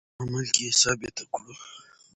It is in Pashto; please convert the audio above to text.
په عمل کې یې ثابته کړو.